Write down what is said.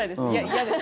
嫌です。